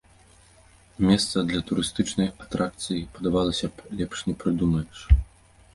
Месца для турыстычнай атракцыі, падавалася б, лепш не прыдумаеш.